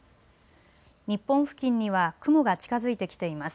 日本付近には雲が近づいてきています。